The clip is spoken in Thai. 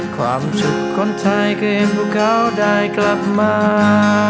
ความสุขคนไทยเกมพวกเขาได้กลับมา